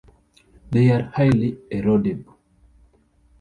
They are highly erodible.